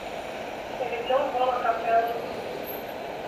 Eles não vão à capela no domingo.